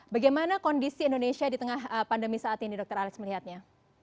bagaimana kondisi indonesia di tengah pandemi saat ini dr alex melihatnya